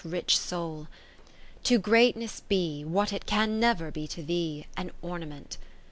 Rich Soul ! to Greatness be, What it can never be to thee, An ornament.